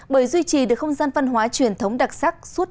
bởi duy trì được không gian văn hóa truyền thống đặc sắc